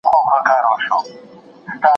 شکنجه کول یو غیر انساني عمل دی.